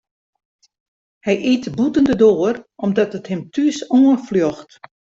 Hy yt bûten de doar omdat it him thús oanfljocht.